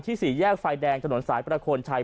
ที่๔แยกไฟแดงจนศาลประโคนชัย